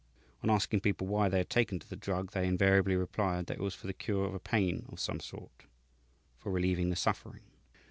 "On asking people why they had taken to the drug, they invariably replied that it was for the cure of a pain of some sort for relieving the suffering.